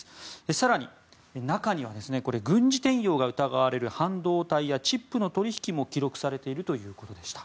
更に中には軍事転用が疑われる半導体やチップの取引も記録されているということでした。